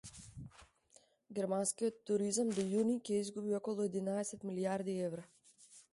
Германскиот туризам до јуни ќе изгуби околу единаесет милијарди евра